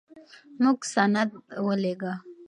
موږ سند ولېږه.